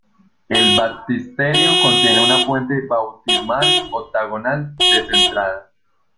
El baptisterio contiene una fuente bautismal octagonal descentrada.